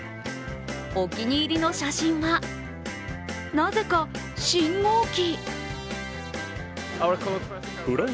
お気に入りの写真は、なぜか信号機。